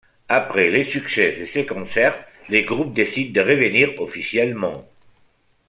Après le succès de ce concert, le groupe décide de revenir officiellement.